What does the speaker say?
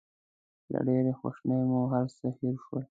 له ډېرې خواشینۍ مې هر څه هېر شول.